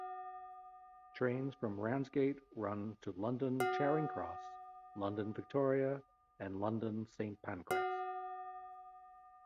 Trains from Ramsgate run to London Charing Cross, London Victoria and London Saint Pancras.